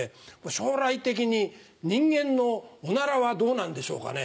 将来的に人間のオナラはどうなんでしょうかね？